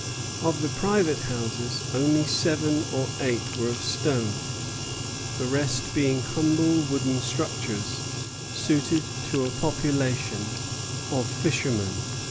Of the private houses, only seven or eight were of stone, the rest being humble wooden structures, suited to a population of fishermen.